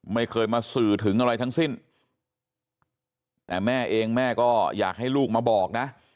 ไม่เคยมาสื่อถึงอะไรทั้งสิ้นแต่แม่เองแม่ก็อยากให้ลูกมาบอกนะ